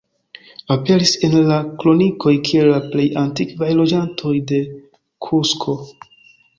Aperis en la kronikoj kiel la plej antikvaj loĝantoj de Kusko.